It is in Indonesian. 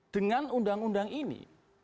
dengan undang undang ini